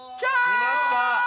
きました！